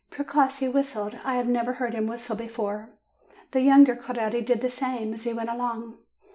Precossi whistled; I had never heard him whistle before. The younger Coretti did the same, as he went along.